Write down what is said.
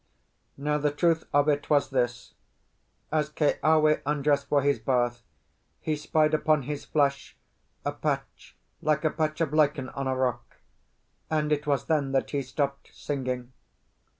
Now the truth of it was this: as Keawe undressed for his bath, he spied upon his flesh a patch like a patch of lichen on a rock, and it was then that he stopped singing.